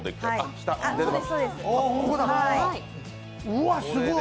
うわっ、すごい！